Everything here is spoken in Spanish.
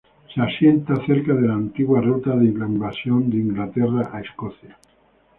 Se asienta cerca de la antigua ruta de invasión de Inglaterra a Escocia.